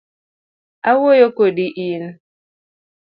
Awuoyo kodi in.